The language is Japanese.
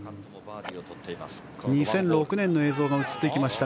２００６年の映像が映ってきました。